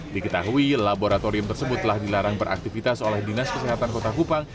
diketahui laboratorium tersebut telah dilarang beraktivitas oleh dinas kesehatan kota kupang